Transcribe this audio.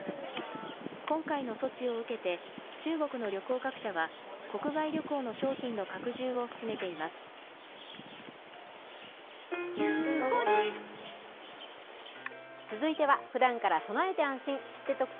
今回の措置を受けて、中国の旅行各社は、国外旅行の商品の拡充を進めています。